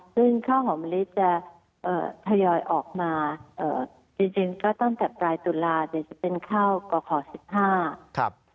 ซึ่งข้าวหอมลิจะพยายอยออกมาจริงก็ตั้งแต่ปลายตุลาที่จะเป็นข้าวก่อข่อ๑๕